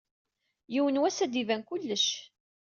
Yiwan wass, ad d-iban kullec.